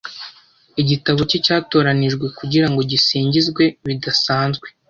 Igitabo cye cyatoranijwe kugirango gisingizwe bidasanzwe.